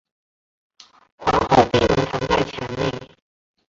皇后闭门藏在墙内。